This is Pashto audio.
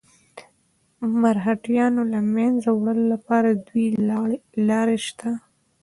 د مرهټیانو له منځه وړلو لپاره دوې لارې شته.